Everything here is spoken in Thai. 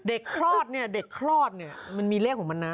เด็กครอดนี่มันมีเลขของมันนะ